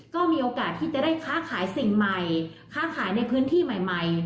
ก็มีโอกาสที่จะได้ค้าขายสิ่งใหม่ค้าขายในพื้นที่ใหม่